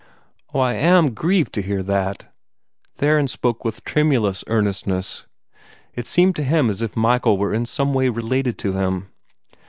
"Oh, I am GRIEVED to hear that!" Theron spoke with tremulous earnestness. It seemed to him as if Michael were in some way related to him.